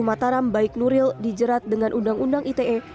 mataram baik nuril dijerat dengan undang undang ite